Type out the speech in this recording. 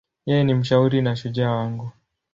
Yeye ni mshauri na shujaa wangu.